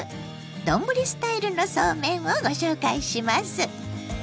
丼スタイルのそうめんをご紹介します。